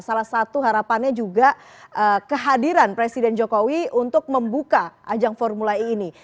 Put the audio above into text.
salah satu harapannya juga kehadiran presiden jokowi untuk membuka ajang formula e ini